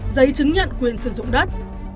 giấy chứng nhận quyền sử dụng đất